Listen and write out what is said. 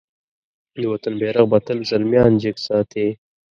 د وطن بېرغ به تل زلميان جګ ساتی.